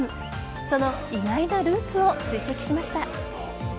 その意外なルーツを追跡しました。